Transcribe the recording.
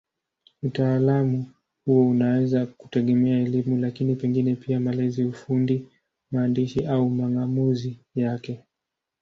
Utaalamu huo unaweza kutegemea elimu, lakini pengine pia malezi, ufundi, maandishi au mang'amuzi yake.